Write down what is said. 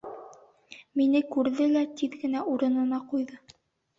Мине күрҙе лә тиҙ генә урынына ҡуйҙы.